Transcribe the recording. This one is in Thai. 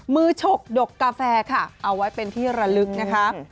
ฉกดกกาแฟค่ะเอาไว้เป็นที่ระลึกนะคะ